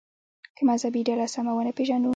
که مذهبي ډله سمه ونه پېژنو.